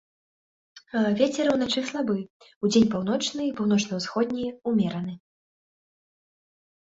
Вецер уначы слабы, удзень паўночны, паўночна-ўсходні ўмераны.